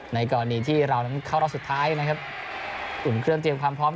ในกรณีที่เรานั้นเข้ารอบสุดท้ายนะครับอุ่นเครื่องเตรียมความพร้อม